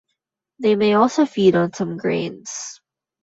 They may also feed on some grains.